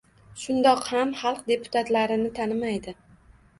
Shundoq ham xalq deputatlarini tanimaydi